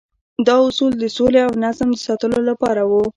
دا اصول د سولې او نظم د ساتلو لپاره وو.